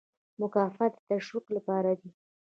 مکافات د تشویق لپاره دي